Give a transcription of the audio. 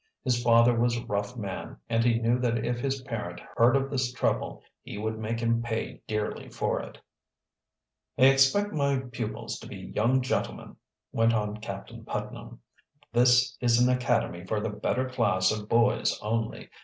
His father was a rough man and he knew that if his parent heard of this trouble he would make him pay dearly for it. "I expect my pupils to be young gentlemen," went on Captain Putnam. "This is an academy for the better class of boys only.